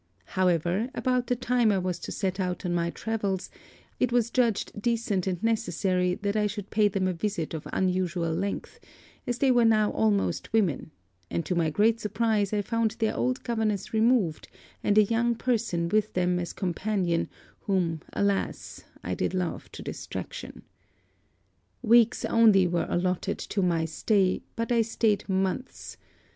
However, about the time I was to set out on my travels, it was judged decent and necessary that I should pay them a visit of unusual length, as they were now almost women; and to my great surprise I found their old governess removed, and a young person with them as companion whom alas I did love to distraction. 'Weeks only were allotted to my stay, but I staid months.